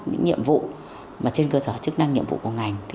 những nhiệm vụ mà trên cơ sở chức năng nhiệm vụ của ngành